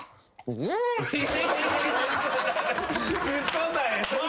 嘘だよ。